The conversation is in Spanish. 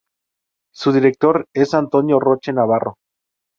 Su director es Antonio Roche Navarro.